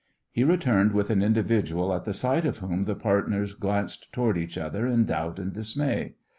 He returned with an individual at the sight of whom the partners glanced toward each other in doubt and dismay.